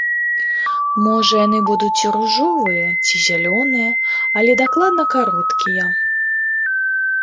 Можа яны будуць і ружовыя, ці зялёныя, але дакладна кароткія.